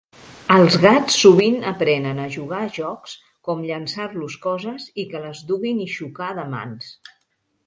Els gats sovint aprenen a jugar a jocs com llençar-los coses i que les duguin i xocar de mans.